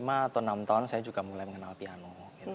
lima atau enam tahun saya juga mulai mengenal piano